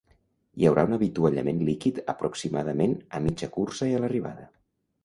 Hi haurà un avituallament líquid aproximadament a mitja cursa i a l’arribada.